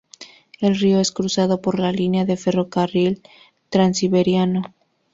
El río es cruzado por la línea del ferrocarril Transiberiano.